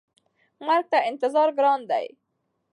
مرګ ته انتظار ګران دی.